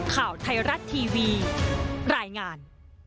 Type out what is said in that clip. ข่าวไทยรัฐทีวีรายงาน